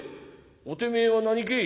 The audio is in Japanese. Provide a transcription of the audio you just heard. おてめえは何け？」。